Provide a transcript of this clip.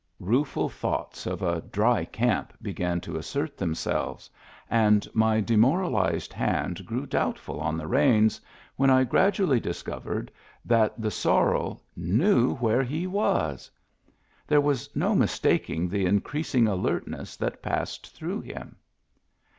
Rueful thoughts of a "dry camp" began to assert themselves, and my demoralized hand grew doubtful on the reins, when I gradually discovered that the sorrel knew where he was. There was no mistaking the increasing alertness that passed through him.